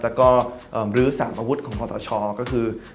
แล้วก็รื้อสามอาวุธของพศคือ